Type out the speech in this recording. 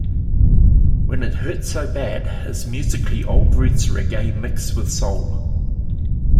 "When It Hurts So Bad" is musically old roots reggae mixed with soul.